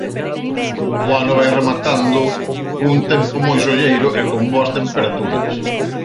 O ano vai rematando cun tempo moi solleiro e con boas temperaturas.